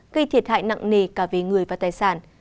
gây thiệt hại nặng nề cả về người và tài sản